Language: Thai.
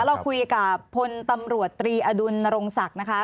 เราคุยกับพลตำรวจตรีอดุลนรงศักดิ์นะคะ